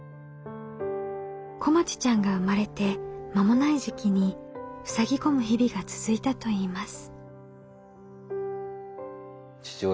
こまちちゃんが生まれて間もない時期にふさぎ込む日々が続いたといいます。